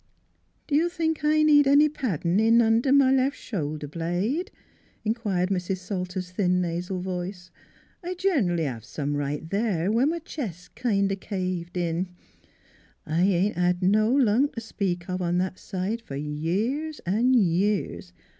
" Do you think I need any paddin' in under m' left shoulder blade?" inquired Mrs. Salter's thin nasal voice. " I gen'ally hev' some right there where m' chest 's kind o' caved in. I ain't had no lung t' speak of on that side f'r years an' years.